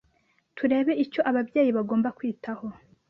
turebe icyo ababyeyi bagomba kwitaho,